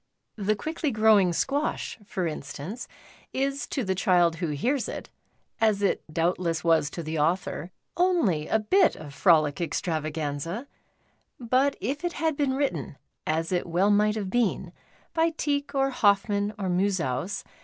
" The Quickly Growing Squash,"' for instance, is to the child who hears it, as it doubtless was to the author, only a bit of frolic extravao anza ; but if it had been written — as it well might have been — by Tieck or Hoffmann or Musaus.